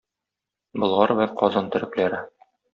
Болгар вә Казан төрекләре.